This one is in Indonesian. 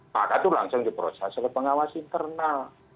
maka itu langsung diproses oleh pengawas internal